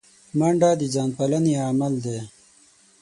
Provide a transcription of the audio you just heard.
منډه د ځان پالنې عمل دی